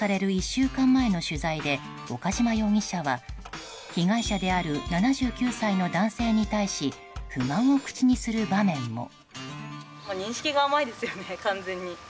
１週間前の取材で岡島容疑者は被害者である７９歳の男性に対し不満を口にする場面も。